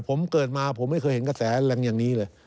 ผมเกิดมาผมไม่เคยเห็นกระแสแรงอย่างนี้เลย